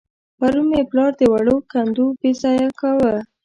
پرون مې پلار د وړو کندو بېځايه کاوه.